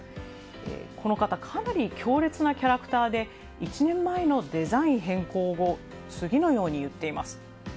この方かなり強烈なキャラクターで１年前のデザイン変更後次のように言っています。